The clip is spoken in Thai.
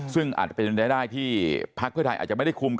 ซึ่งอาจจะเป็นในในพระเวทย์กระทัยอาจไม่ได้คุม